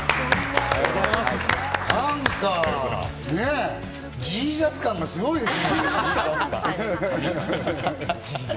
なんかね、ジーザス感がすごいですね。